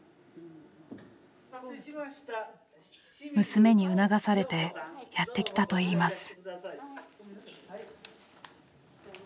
娘に促されてやって来たといいます。